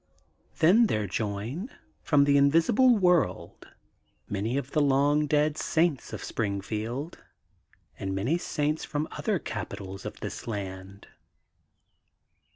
Then there join, from the invisible world, many of the long dead Saints of Springfield and many saints from other capi tals of this land.